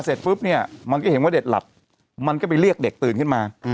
เสร็จปุ๊บเนี่ยมันก็เห็นว่าเด็กหลับมันก็ไปเรียกเด็กตื่นขึ้นมา